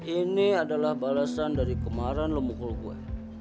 ini adalah balasan dari kemarin lo mukul gue